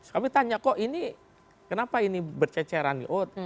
kami tanya kok ini kenapa ini berceceran